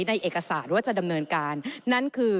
ในเอกสารว่าจะดำเนินการนั่นคือ